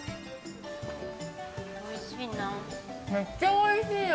おいしいな。